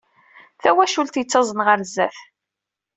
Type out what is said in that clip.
Tawacult yettaẓen ɣer sdat.